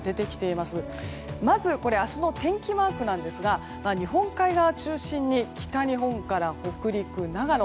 まず明日の天気マークなんですが日本海側を中心に北日本から北陸、長野